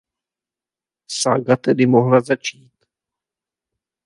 Sága tedy mohla začít.